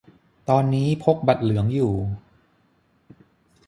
ตอนนี้พกบัตรเหลืองอยู่